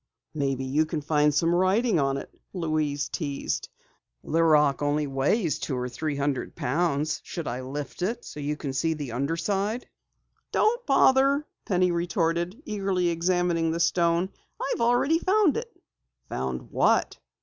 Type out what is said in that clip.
"Maybe you can find some writing on it," Louise teased. "The rock only weighs two or three hundred pounds. Shall I lift it for you so you can see the under side?" "Don't bother," Penny retorted, eagerly examining the stone. "I've already found it." "Found what?"